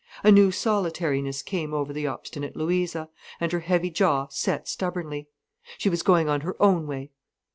A new solitariness came over the obstinate Louisa, and her heavy jaw set stubbornly. She was going on her own way.